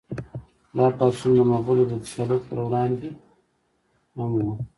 دا پاڅون د مغولو د تسلط پر وړاندې هم و.